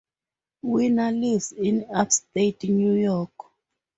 Winner lives in upstate New York.